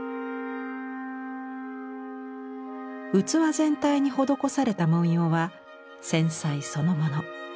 器全体に施された文様は繊細そのもの。